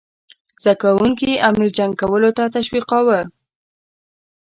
زده کوونکي امیر جنګ کولو ته تشویقاووه.